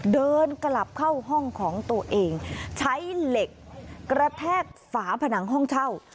เดินกลับเข้าห้องของตัวเองใช้เหล็กกระแทกฝาผนังห้องเช่า